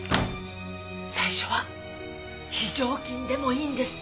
最初は非常勤でもいいんです。